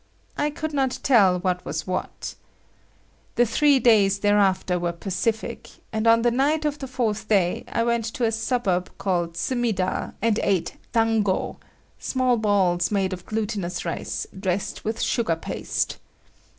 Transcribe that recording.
I could not tell what was what. The three days thereafter were pacific, and on the night of the fourth day, I went to a suburb called Sumida and ate "dango" (small balls made of glutinous rice, dressed with sugar paste).